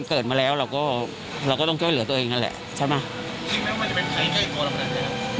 คิดไหมว่ามันจะเป็นใครใกล้ตัวเราแบบนี้